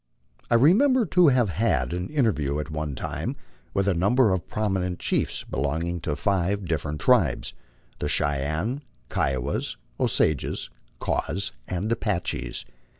I remember to have had an interview at one time with a number of prominent chiefs belonging to five different tribes, the Cheyennee, Kiowas, Osages, Raws, and Apaches.